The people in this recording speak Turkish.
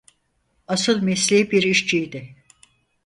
Asıl mesleği bir işçiydi.